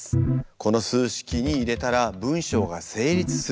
この数式に入れたら文章が成立する数字は９！